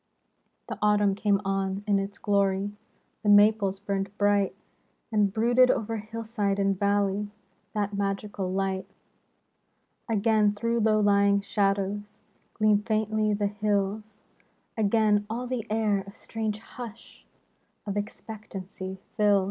The Autumn came on in its glory. The maples burned bright; And brooded o'er hillside and valley The magical light. Again through low lying shadows Gleam faintly the hills, Again all the air a strange hush Of expectancy fills.